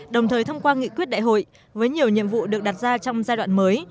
đồng thời thông qua nghị quyết đại hội với nhiều nhiệm vụ được đặt ra trong giai đoạn mới